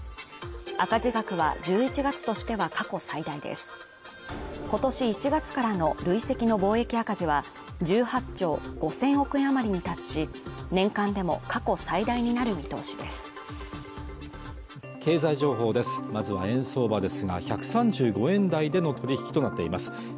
赤字額は１１月としては過去最大です今年１月からの累積の貿易赤字は１８兆５０００億円余りに達し年間でも過去最大になる見通しです